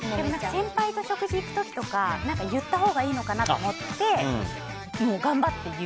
先輩と食事行く時とか言ったほうがいいのかなと思って頑張って言う。